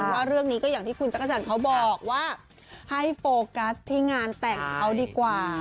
ว่าเรื่องนี้ก็อย่างที่คุณจักรจันทร์เขาบอกว่าให้โฟกัสที่งานแต่งเขาดีกว่า